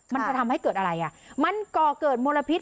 มันจะทำให้เกิดอะไรอ่ะมันก่อเกิดมลพิษ